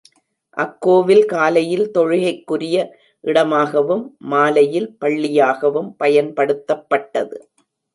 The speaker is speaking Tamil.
அக்கோவில் காலையில் தொழுகைக்குரிய இடமாகவும், மாலையில் பள்ளியாகவும் பயன்படுத்தப்பட்டது.